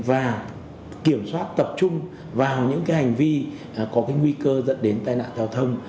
và kiểm soát tập trung vào những cái hành vi có cái nguy cơ dẫn đến tai nạn giao thông